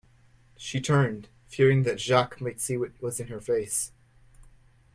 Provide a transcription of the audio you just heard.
She turned, fearing that Jacques might see what was in her face.